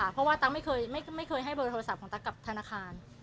เพราะว่าตั๊กไม่เคยให้เบอร์โทรศัพท์ของตั๊กกับธนาคาร